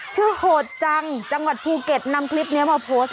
โหดจังจังหวัดภูเก็ตนำคลิปนี้มาโพสต์